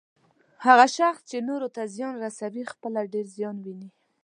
هغه شخص چې نورو ته زیان رسوي، پخپله ډیر زیان ويني